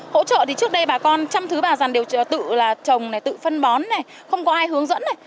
hỗ trợ thì trước đây bà con chăm thứ bà dàn đều tự là trồng tự phân bón không có ai hướng dẫn